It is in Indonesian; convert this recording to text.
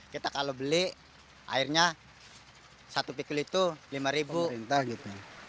kita kalau beli akhirnya satu pikul itu lima ribu